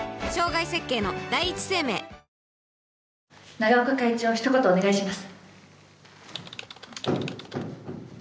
永岡会長ひと言お願いします。